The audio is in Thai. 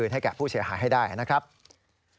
ตอนนี้เท่ากันก็มีภาพหลักฐานจากกล้องวงจักร